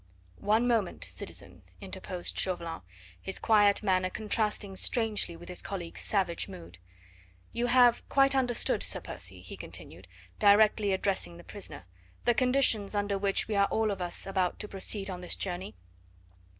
"One moment, citizen," interposed Chauvelin, his quiet manner contrasting strangely with his colleague's savage mood. "You have quite understood, Sir Percy," he continued, directly addressing the prisoner, "the conditions under which we are all of us about to proceed on this journey?"